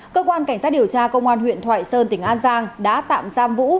cơ quan cảnh sát điều tra công an huyện thoại sơn tỉnh an giang đã tạm giam vũ